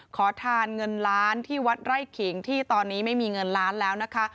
ขอทานเงินล้านที่วัดไร่ขิงที่ตอนนี้ไม่มีเงินล้านแล้วนะคะ